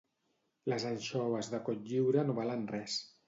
Les anxoves de Cotlliure no valen res